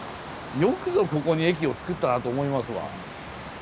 よくぞここに駅を作ったなと思いますわ。